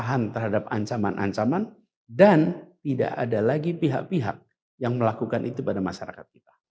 kesalahan terhadap ancaman ancaman dan tidak ada lagi pihak pihak yang melakukan itu pada masyarakat kita